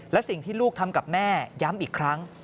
และสิ่งที่ลูกทำกับแม่ย้ำอีกครั้ง